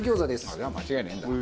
じゃあ間違いないんだ。